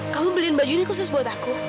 kamu beliin bajunya khusus buat aku